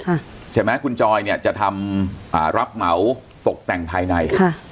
ใช่ไหมคุณจอยเนี่ยจะทำอ่ารับเหมาตกแต่งภายในค่ะ